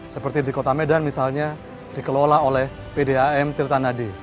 seperti di kota medan misalnya dikelola oleh pdam tirtanadi